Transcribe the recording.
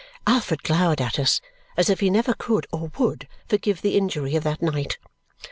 Alfred glowered at us as if he never could, or would, forgive the injury of that night.